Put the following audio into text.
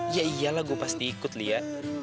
ya iyalah gue pasti ikut lia